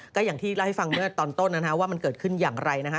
ก็อย่างที่เล่าให้ฟังเมื่อตอนต้นว่ามันเกิดขึ้นอย่างไรนะฮะ